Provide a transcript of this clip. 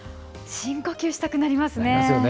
深呼吸したくなりますね。